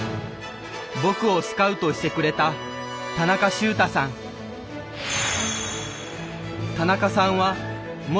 僕をスカウトしてくれた田中さんは元阪神の選手。